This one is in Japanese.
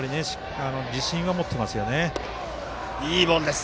自信を持っていますよね。